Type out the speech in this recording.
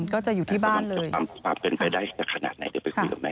ก็จะอยู่ที่บ้านเลย